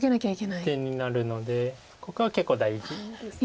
後手になるのでここは結構大事です。